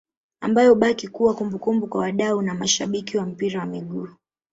ambayo hubakia kuwa kumbukumbu kwa wadau na mashabiki wa mpira wa miguu